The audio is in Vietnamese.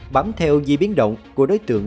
bám theo dì biến động của đối tượng